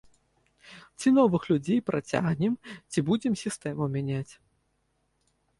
Ці новых людзей прыцягнем, ці будзем сістэму мяняць.